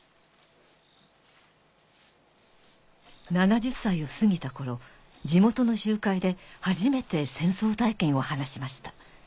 ７０歳を過ぎた頃地元の集会で初めて戦争体験を話しました